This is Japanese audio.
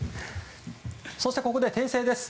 そして、ここで訂正です。